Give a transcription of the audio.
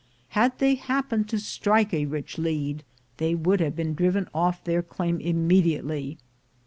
Had they happened to strike a rich lead, they would have been driven off their claim immediately.